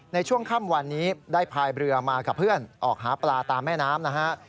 ในช่วงค่ำวันนี้ได้พายเรือมากับเพื่อนออกหาปลาตามแม่น้ำนะฮะ